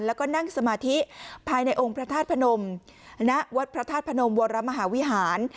แล้วก็นั่งสมาธิภายในองค์พระธาตุพนมณวัดพระธาตุพนมวรมหาวิหาร